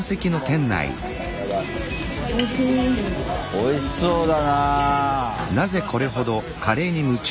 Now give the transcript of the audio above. おいしそうだな。